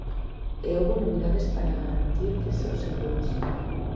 E houbo novidades para garantir que son seguras.